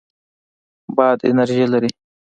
باد انرژي لري.